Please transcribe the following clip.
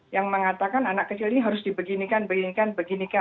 yang mengatakan anak kecil ini harus dibeginikan dibeginikan dibeginikan